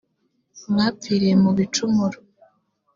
mwapfiriye mu bicumuro